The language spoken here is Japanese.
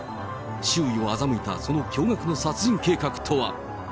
周囲を欺いたその驚がくの殺人計画とは。